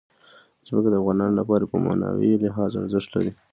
ځمکه د افغانانو لپاره په معنوي لحاظ ارزښت لري.